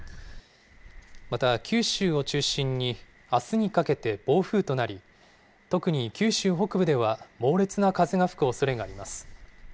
また、九州を中心にあすにかけて暴風となり、特に九州北部では、猛烈な風が吹くおそれがあります。